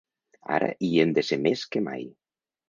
Ara hi hem de ser més que mai.